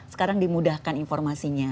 sekarang dimudahkan informasinya